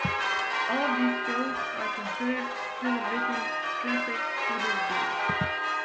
All of these shows are considered television classics to this day.